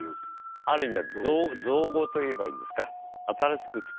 ある意味では造語といえばいいんですか。